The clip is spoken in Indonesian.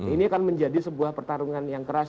ini akan menjadi sebuah pertarungan yang keras